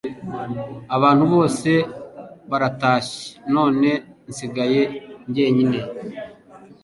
abantu bose baratashye none nsigaye njyenyine